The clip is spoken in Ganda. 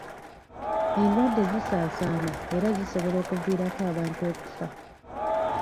Endwadde zisaasaana era zisobola okuviirako abantu okufa.